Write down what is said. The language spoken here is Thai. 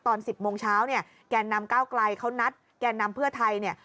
ตอน๑๐โมงเช้าแกนนำก้าวไกลเขานัดแกนนำเพื่อไทย